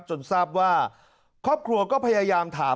จนทราบว่าครอบครัวก็พยายามถาม